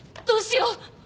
どうしよう！